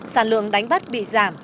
sản lượng đánh bắt bị giảm